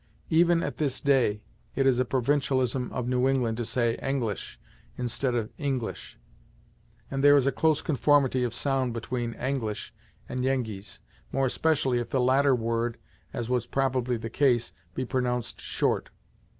Even at this day, it is a provincialism of New England to say "Anglish" instead of "Inglish," and there is a close conformity of sound between "Anglish" and "yengeese," more especially if the latter word, as was probably the case, be pronounced short.